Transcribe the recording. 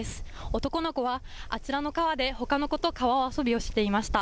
男の子はあちらの川でほかの子と川遊びをしていました。